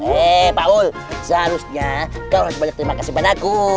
eh paul seharusnya kau harus banyak terima kasih padaku